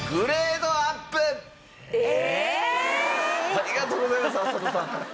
ありがとうございます浅野さん。